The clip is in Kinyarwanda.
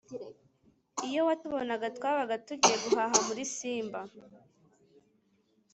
iyo watubonaga twabaga tugiye guhaha muri Simba,